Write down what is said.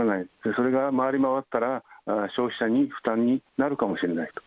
それが回り回ったら、消費者に負担になるかもしれないと。